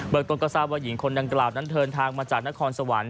ต้นก็ทราบว่าหญิงคนดังกล่าวนั้นเดินทางมาจากนครสวรรค์